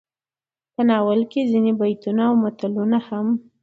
په ناول کې ځينې بيتونه او متلونه هم